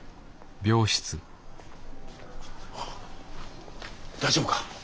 ああ大丈夫か？